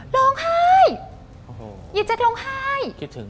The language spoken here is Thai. ร้องไห้ยินเจ๊กลงไห้